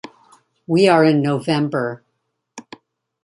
We are in November.